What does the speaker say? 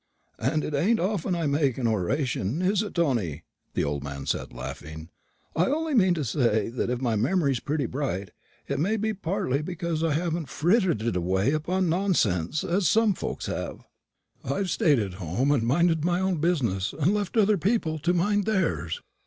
"And it ain't often I make an oration, is it, Tony?" said the old man, laughing. "I only mean to say that if my memory's pretty bright, it may be partly because I haven't frittered it away upon nonsense, as some folks have. I've stayed at home and minded my own business, and left other people to mind theirs.